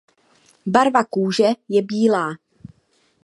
Barva kůže je bílá.